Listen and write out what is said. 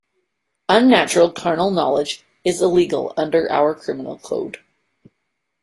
Unnatural carnal knowledge is illegal under our criminal code.